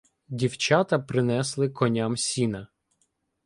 Дівчата принесли коням сіна.